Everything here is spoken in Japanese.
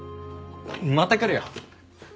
また来るよ。